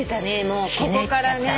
もうここからね。